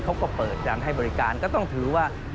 เขาก็เปิดการให้บริการก็ต้องถือว่า